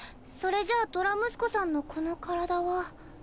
それじゃドラムスコさんのこの体は。